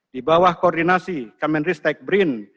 di bawah koordinasi kemenristek brin